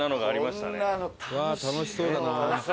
楽しそうだな。